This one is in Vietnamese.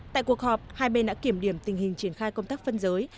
tại cuộc họp hai bên đã kiểm điểm tình hình triển khai công tác phân giới